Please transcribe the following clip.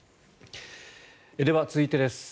では、続いてです。